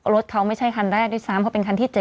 รถเขาไม่ใช่คันแรกด้วยซ้ำเพราะเป็นคันที่๗